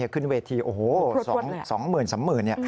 ขึ้นเวทีโอ้โหสองหมื่นสามหมื่น